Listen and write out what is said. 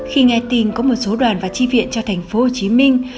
khi nghe tin có một số đoàn và chi viện cho thành phố hồ chí minh